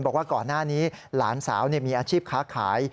บอกว่าก่อนหน้านี้หลานสาวมีอาชีพค้าขาย